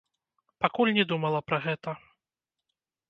Пакуль не думала пра гэта.